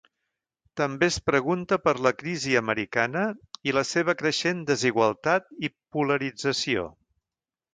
També es pregunta per la crisi americana i la seva creixent desigualtat i polarització.